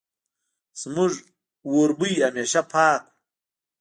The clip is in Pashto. زموږ وربوی همېشه پاک وو